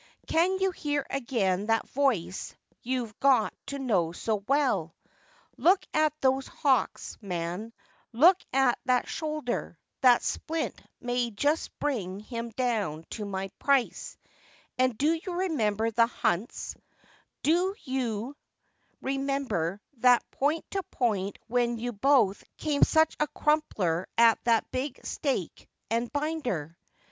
Can you hear again that voice you've got to know so well ?" Look at those hocks, man ; look at that shoulder ; that splint may just bring him down to my price." And do you remember the hunts ? Do you 164 WILL YOU TAKE OVER remember that point to point when you both came such a crumpler at that big stake and binder